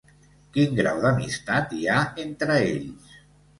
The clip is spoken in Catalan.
Quin grau d'amistat hi ha entre ells?